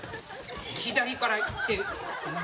左からいって右。